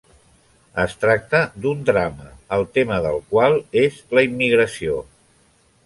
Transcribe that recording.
Es tracta d'un drama, el tema del qual és la immigració.